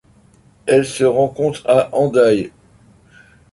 Elle se rencontre à Andai.